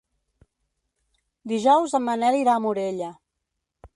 Dijous en Manel irà a Morella.